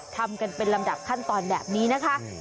ทำกันเป็นลำดับขั้นตอนแบบนี้นะคะ